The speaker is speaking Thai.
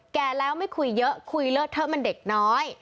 แก่แล้วไม่คุยเยอะคุยเลิศเถอะมันเด็กน้อย